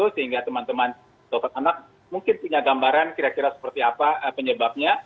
sehingga teman teman dokter anak mungkin punya gambaran kira kira seperti apa penyebabnya